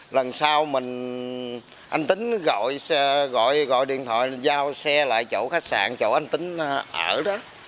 lần sau mình anh tính gọi gọi điện thoại giao xe lại chỗ khách sạn chỗ anh tính ở đó